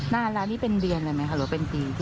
นานร้านนี้เป็นเดือนอะไรไหมหรือเป็นปี